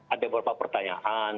ada beberapa pertanyaan